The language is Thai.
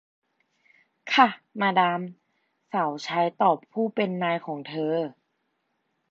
ค่ะ มาดาม สาวใช้ตอบผู้เป็นนายของเธอ